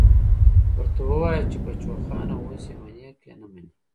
ورته ووايه چې بچوخانه اوس يې منې که نه منې.